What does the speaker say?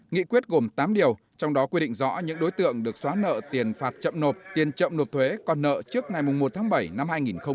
nghị quyết gồm tám điều trong đó quy định rõ những đối tượng được xóa nợ tiền phạt chậm nộp tiền chậm nộp thuế còn nợ trước ngày một tháng bảy năm hai nghìn hai mươi